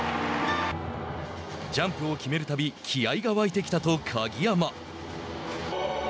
ジャンプを決めるたび気合いが湧いてきたと鍵山。